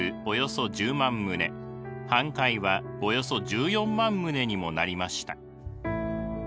およそ１０万棟半壊はおよそ１４万棟にもなりました。